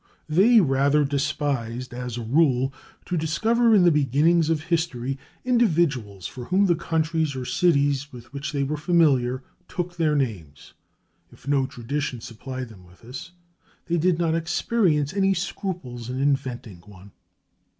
They rather despised, as a rule, to discover in the beginnings of history individuals from whom the countries or cities with which they were familiar took their names: if no tradition supplied them with this, they did not experience any scruples in inventing one.